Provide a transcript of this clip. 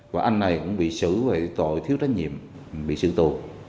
và anh này cũng bị xử về tội thiếu trách nhiệm bị sự tù